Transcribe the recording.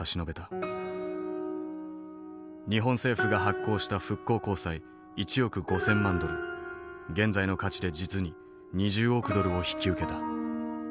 日本政府が発行した復興公債１億５，０００万ドル現在の価値で実に２０億ドルを引き受けた。